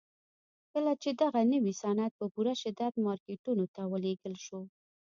کله چې دغه نوي صنعت په پوره شدت مارکيټونو ته ولېږل شو.